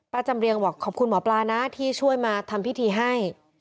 จำเรียงบอกขอบคุณหมอปลานะที่ช่วยมาทำพิธีให้